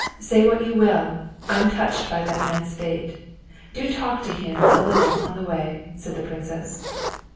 Say what you will, I'm touched by that man's fate. Do talk to him a little on the way," said the princess.